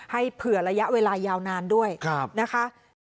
ให้เผื่อระยะเวลายาวนานด้วยนะคะ